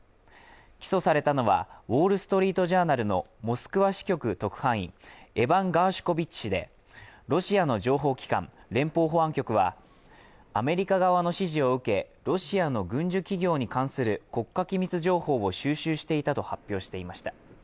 起訴されたのは「ウォール・ストリート・ジャーナル」のモスクワ支局特派員、エバン・ガーシュコビッチ氏でロシアの情報機関、連邦保安局はアメリカ側の指示を受けロシアの軍需企業に関する国家機密情報を収集していたと発表していました。